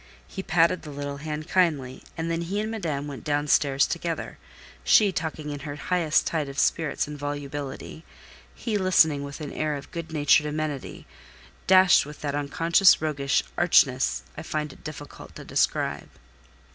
He patted the little hand kindly, and then he and Madame went down stairs together; she talking in her highest tide of spirits and volubility, he listening with an air of good natured amenity, dashed with that unconscious roguish archness I find it difficult to describe.